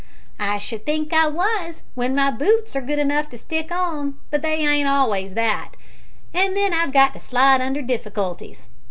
"I should think I was w'en my boots are good enough to stick on, but they ain't always that, and then I've got to slide under difficulties.